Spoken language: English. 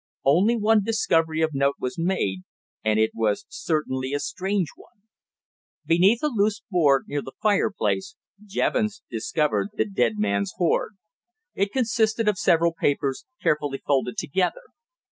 Only one discovery of note was made, and it was certainly a strange one. Beneath a loose board, near the fireplace, Jevons discovered the dead man's hoard. It consisted of several papers carefully folded together.